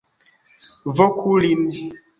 Voku lin!